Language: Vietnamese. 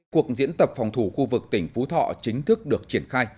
cuộc diễn tập phòng thủ khu vực tỉnh phú thọ chính thức được triển khai